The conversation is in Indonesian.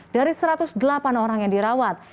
dari satu ratus delapan orang yang dirawat